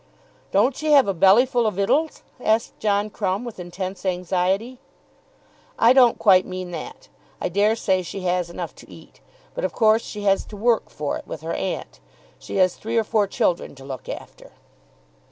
"Don't she have a bellyful o' vittels?" asked John Crumb, with intense anxiety. "I don't quite mean that. I dare say she has enough to eat. But of course she has to work for it with her aunt. She has three or four children to look after."